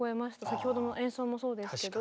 先ほどの演奏もそうでしたけど。